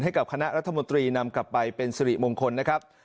ให้กับคณะรัฐมนตรีนำกลับไปเป็นสิริมงคลนะครับ